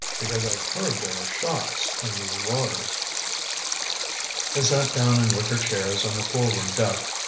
Because I've heard there are sharks in these waters." They sat down in wicker chairs on the forward deck.